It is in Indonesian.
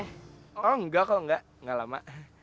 oh enggak kalau enggak enggak lama